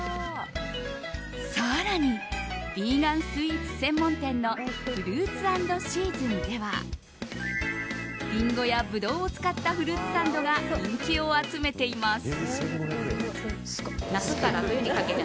更にヴィーガンスイーツ専門店のフルーツアンドシーズンではリンゴやブドウを使ったフルーツサンドが人気を集めています。